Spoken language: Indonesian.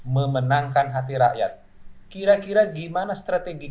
memenangkan hati rakyat kira kira gimana strategi